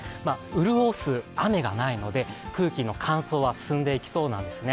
潤す雨がないので、空気の乾燥は進んでいきそうなんですね。